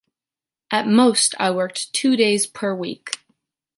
At most, I worked two days per week.